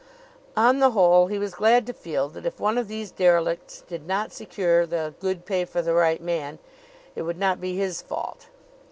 On the whole, he was glad to feel that if one of these derelicts did not secure the "good pay for the right man," it would not be his fault.